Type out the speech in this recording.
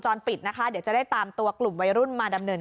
ปิดนะคะเดี๋ยวจะได้ตามตัวกลุ่มวัยรุ่นมาดำเนิน